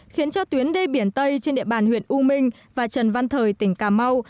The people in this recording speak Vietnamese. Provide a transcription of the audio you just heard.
khiến cho tuyến đê biển tây trên địa bàn huyện u minh và trần văn thời tỉnh cà mau